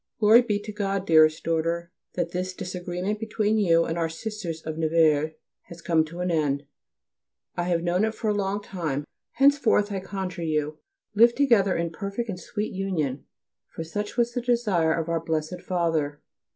Glory be to God, dearest Daughter, that this disagreement between you and our Sisters of Nevers has come to an end. I have known of it for a long time. Henceforth, I conjure you, live together in perfect and sweet union, for such was the desire of our Blessed Father.